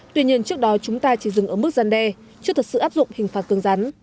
tuy nhiên trước đó chúng ta chỉ dừng ở mức gian đe chưa thật sự áp dụng hình phạt cứng rắn